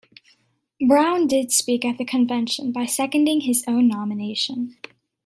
Brown did speak at the convention by seconding his own nomination.